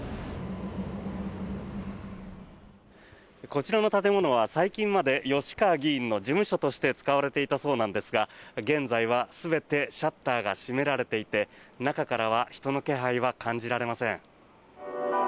こちらの建物は最近まで吉川議員の事務所として使われていたそうなんですが現在は全てシャッターが閉められていて中からは人の気配は感じられません。